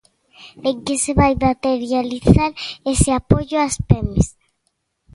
¿En que se vai materializar ese apoio ás pemes?